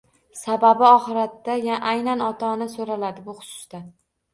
Sababi oxiratda aynan ota so‘raladi bu xususda